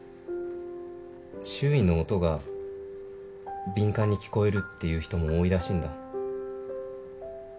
周囲の音が敏感に聞こえるっていう人も多いらしいんだ。